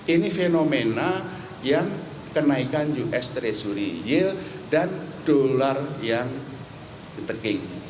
ini fenomena yang kenaikan us treasury yield dan dolar yang interking